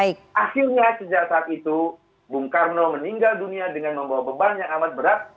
akhirnya sejak saat itu bung karno meninggal dunia dengan membawa beban yang amat berat